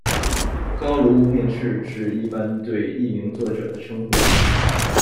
高卢无名氏是一般对《》佚名作者的称呼。